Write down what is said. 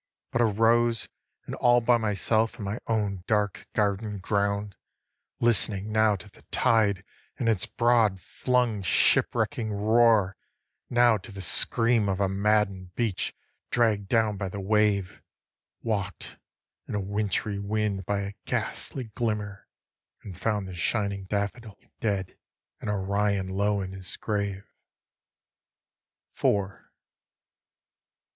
But arose, and all by myself in my own dark garden ground, Listening now to the tide in its broad flung shipwrecking roar, Now to the scream of a madden'd beach dragg'd down by the wave, Walk'd in a wintry wind by a ghastly glimmer, and found The shining daffodil dead, and Orion low in his grave. IV. 1.